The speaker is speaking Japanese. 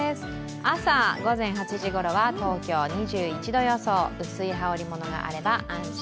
朝午前８時ごろは東京２１度予想、薄い羽織り物があれば安心。